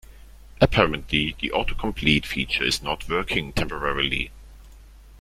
Apparently, the autocomplete feature is not working temporarily.